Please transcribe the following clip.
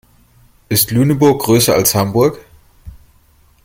Ist Lüneburg größer als Hamburg?